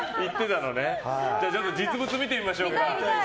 実物見てみましょうか。